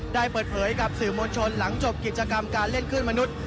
ได้เปิดเผยกับสื่อมวลชนหลังจบกิจกรรมการเล่นคลื่นมนุษย์